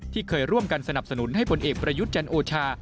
เคยร่วมกันสนับสนุนให้ผลเอกประยุทธ์จันโอชา